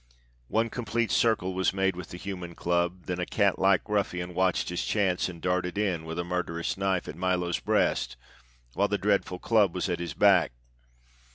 One complete circle was made with the human club, then a catlike ruffian watched his chance and darted in with murderous knife at Milo's breast while the dreadful club was at his back.